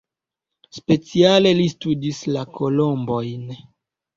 Speciale li studis la kolombojn.